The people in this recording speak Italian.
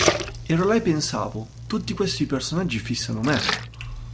Ero là e pensavo: tutti questi personaggi fissano me!